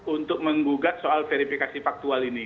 untuk menggugat soal verifikasi faktual ini